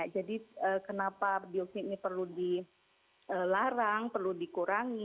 jadi kenapa dioksin ini perlu dilarang perlu dikurangi